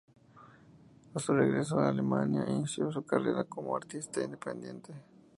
A su regreso a Alemania inició su carrera como artista independiente.